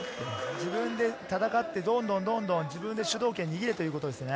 自分で戦って、どんどん自分で主導権を握れということですね。